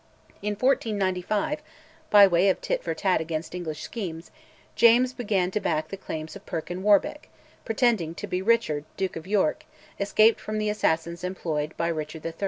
In 1495, by way of tit for tat against English schemes, James began to back the claims of Perkin Warbeck, pretending to be Richard, Duke of York, escaped from the assassins employed by Richard III.